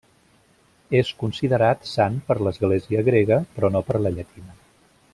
És considerat sant per l'Església grega, però no per la llatina.